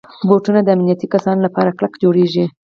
بوټونه د امنیتي کسانو لپاره کلک جوړېږي.